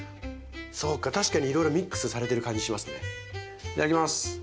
そうか確かにいろいろミックスされてる感じしますね。